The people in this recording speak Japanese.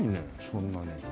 そんなに。